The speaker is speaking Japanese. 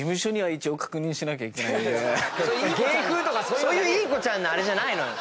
そういういい子ちゃんのあれじゃないのよ。